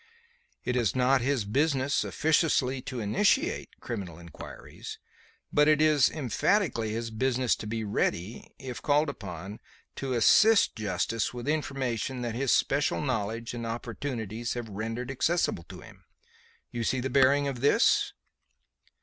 It is not his business officiously to initiate criminal inquiries, but it is emphatically his business to be ready, if called upon, to assist justice with information that his special knowledge and opportunities have rendered accessible to him. You see the bearing of this?"